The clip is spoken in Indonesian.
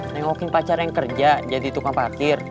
nengokin pacar yang kerja jadi tukang parkir